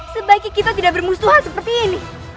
sebaiknya kita tidak bermusuhan seperti ini